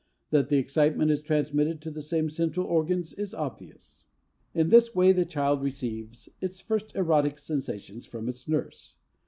That the excitement is transmitted to the same central organs is obvious. In this way the child receives its first erotic sensations from its nurse.